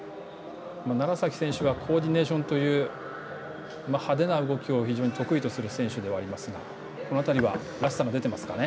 楢崎選手はコーディネーションという派手な動きを非常に得意とする選手ではありますがこの辺り、らしさが出ていますかね？